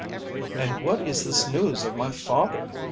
"And what is this news of my father?"